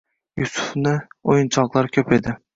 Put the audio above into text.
Yusufnu o'yinchoqlari ko'p edi